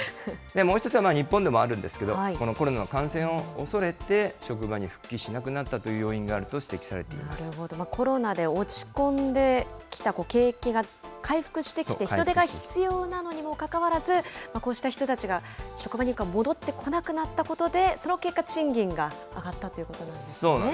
もう１つは日本でもあるんですけど、このコロナの感染を恐れて、職場に復帰しなくなったという要因があると指摘コロナで落ち込んできた景気が回復してきて、人手が必要なのにもかかわらず、こうした人たちが職場に戻ってこなくなったことで、その結果、賃金が上がったとそうなんですね。